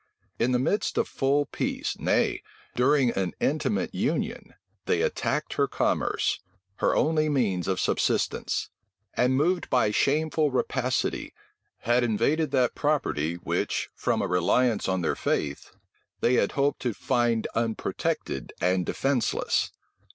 In the midst of full peace, nay, during an intimate union, they attacked her commerce, her only means of subsistence; and, moved by shameful rapacity, had invaded that property which, from a reliance on their faith, they had hoped to find unprotected and defenceless.